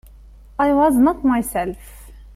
I was not myself.